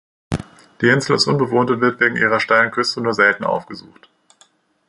Die Insel ist unbewohnt und wird wegen ihrer steilen Küste nur selten aufgesucht.